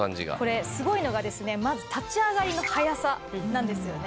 これすごいのがですねまず立ち上がりの早さなんですよね。